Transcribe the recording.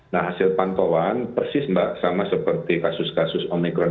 nah hasil pantauan persis mbak sama seperti kasus kasus omikron